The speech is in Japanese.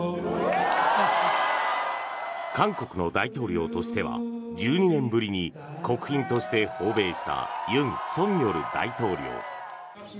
韓国の大統領としては１２年ぶりに国賓として訪米した尹錫悦大統領。